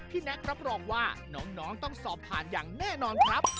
แน็กรับรองว่าน้องต้องสอบผ่านอย่างแน่นอนครับ